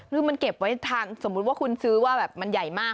คือมันเก็บไว้ทานสมมุติว่าคุณซื้อว่าแบบมันใหญ่มาก